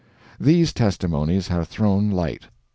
These testimonies have thrown light.